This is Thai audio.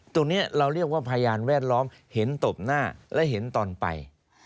ตรงนี้เราเรียกว่าพยานแวดล้อมเห็นตบหน้าและเห็นตอนไป